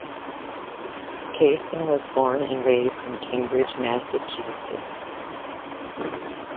Kaysen was born and raised in Cambridge, Massachusetts.